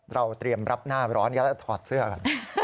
เราเตรียมรับหน้าร้อนกันแล้วถอดเสื้อกัน